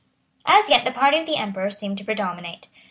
As yet the party of the Emperor seemed to predominate.